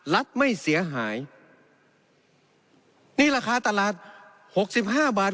รัฐไม่เสียหายนี่ราคาตลาดหกสิบห้าบาท